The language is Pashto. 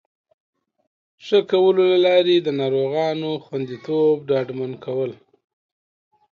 ښه کولو له لارې د ناروغانو خوندیتوب ډاډمن کول